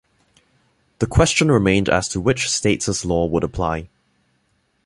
The question remained as to which state's law would apply.